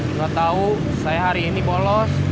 nggak tau saya hari ini bolos